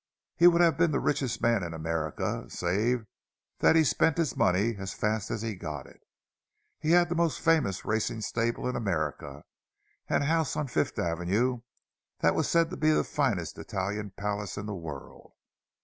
He would have been the richest man in America, save that he spent his money as fast as he got it. He had had the most famous racing stable in America; and a house on Fifth Avenue that was said to be the finest Italian palace in the world.